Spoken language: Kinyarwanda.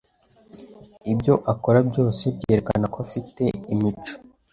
Ibyo akora byose byerekana ko afite imico.